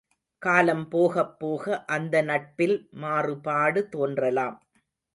காலம் போகப் போக அந்த நட்பில் மாறுபாடு தோன்றலாம்.